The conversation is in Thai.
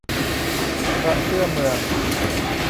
พระเสื้อเมือง